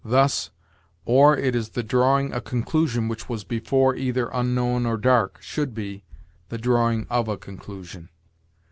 Thus, "Or, it is the drawing a conclusion which was before either unknown or dark," should be, "the drawing of a conclusion."